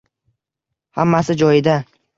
Hammasi joyida.